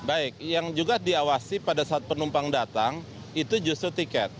baik yang juga diawasi pada saat penumpang datang itu justru tiket